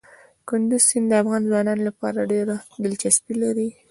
کندز سیند د افغان ځوانانو لپاره ډېره دلچسپي لري.